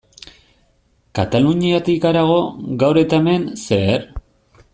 Kataluniatik harago, gaur eta hemen, zer?